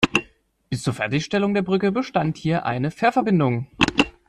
Bis zur Fertigstellung der Brücke bestand hier eine Fährverbindung.